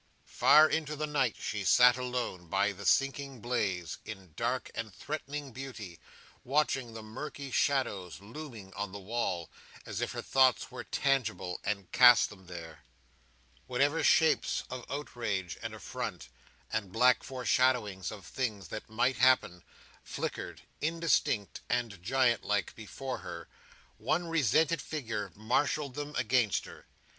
Far into the night she sat alone, by the sinking blaze, in dark and threatening beauty, watching the murky shadows looming on the wall, as if her thoughts were tangible, and cast them there. Whatever shapes of outrage and affront, and black foreshadowings of things that might happen, flickered, indistinct and giant like, before her, one resented figure marshalled them against her.